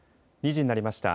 ２時になりました。